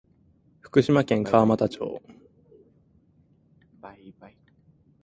福島県川俣町